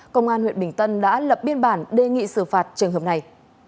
công an huyện bình tân đã lập biên bản đề nghị xử phạt trường hợp này